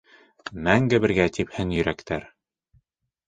Мәңге бергә типһен йөрәктәр.